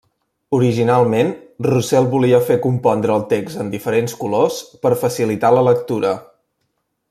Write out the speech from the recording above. Originalment, Roussel volia fer compondre el text en diferents colors per facilitar la lectura.